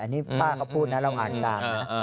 อันนี้ป้าเขาพูดนะเราอ่านตามนะ